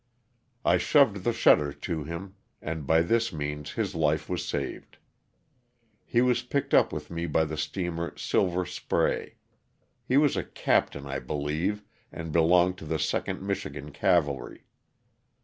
I shoved the shutter to him and by this means his life was saved. He was picked up with me by the steamer ^' Silver Spray." He was a captain, I believe, and belonged to the 2nd Michigan Cavalry.